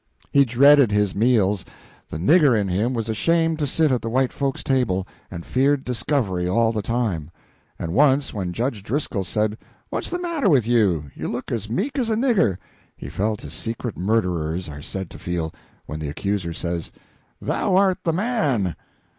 He dreaded his meals; the "nigger" in him was ashamed to sit at the white folks' table, and feared discovery all the time; and once when Judge Driscoll said, "What's the matter with you? You look as meek as a nigger," he felt as secret murderers are said to feel when the accuser says, "Thou art the man!"